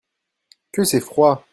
Que c'est froid !